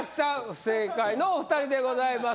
不正解のお二人でございます